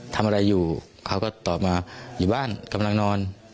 ทำอะไรอยู่เขาก็ตอบมาอยู่บ้านกำลังนอน